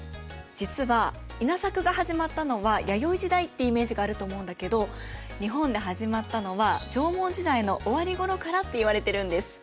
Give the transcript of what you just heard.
実は稲作が始まったのは弥生時代ってイメージがあると思うんだけど日本で始まったのは縄文時代の終わりごろからっていわれてるんです。